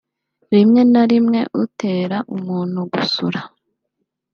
rimwe na rimwe utera umuntu gusura